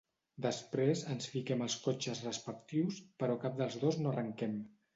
Després, ens fiquem als cotxes respectius, però cap dels dos no arrenquem.